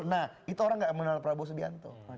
nah itu orang nggak mengenal prabowo subianto